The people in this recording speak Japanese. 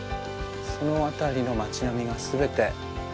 その辺りの街並みが全て。